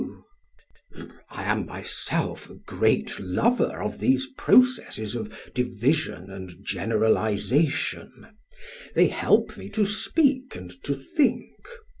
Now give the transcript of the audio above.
SOCRATES: I am myself a great lover of these processes of division and generalization; they help me to speak and to think.